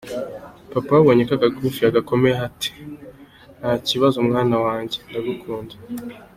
Papa we abonye ko agakufi yagakomeyeho ati nta kibazo mwana wanjye! Ndagukunda.